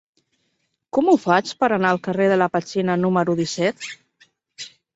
Com ho faig per anar al carrer de la Petxina número disset?